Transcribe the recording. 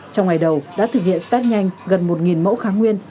trong ngày đầu đã thực hiện start nhanh gần một mẫu kháng nguyên